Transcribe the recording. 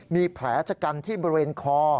มีแผลชะกันที่บริเวณคอ